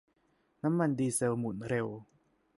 น้ำมันดีเซลหมุนเร็ว